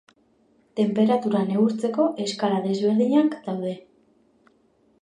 Tenperatura neurtzeko eskala desberdinak daude.